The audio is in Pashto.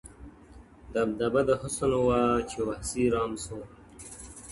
دبدبه د حُسن وه چي وحسي رام سو-